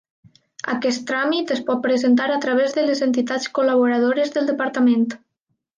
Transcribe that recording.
Aquest tràmit es pot presentar a través de les entitats col·laboradores del departament.